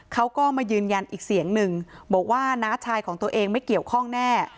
เขาก็มายืนยันอีกเสียงหนึ่งบอกว่าน้าชายของตัวเองไม่เกี่ยวข้องแน่